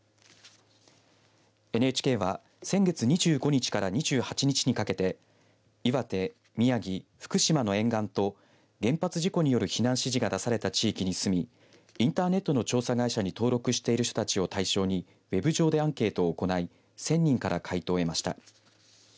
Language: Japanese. ＮＨＫは先月２５日から２８日にかけて岩手、宮城、福島の沿岸と原発事故による避難指示が出された地域に住みインターネットの調査会社に登録している人たちを対象にＷＥＢ上でアンケートを行い１０００人から回答を得ました。